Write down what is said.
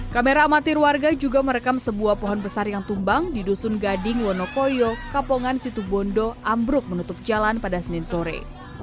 kamera amatir warga juga merekam sebuah pohon besar yang tumbang di dusun gading wonokoyo kapongan situbondo ambruk menutup jalan pada senin sore